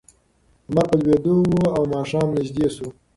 لمر په لوېدو و او ماښام نږدې شو.